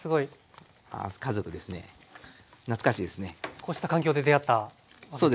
こうした環境で出会ったわけですね。